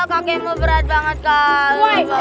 kakimu berat banget kali